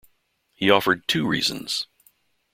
He offered two reasons.